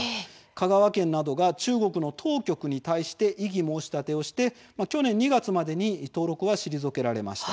香川県などが中国の当局に対して異議申し立てをして去年２月までに登録は退けられました。